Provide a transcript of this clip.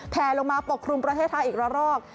แผงลงมาปกปรุงประเทศไทยอีกหลัง